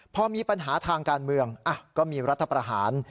พอมีปัญหาทางการเมืองก็มีรัฐประหาร